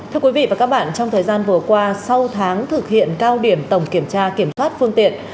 thưa quý vị và các bạn trong thời gian vừa qua sau tháng thực hiện cao điểm tổng kiểm tra kiểm soát phương tiện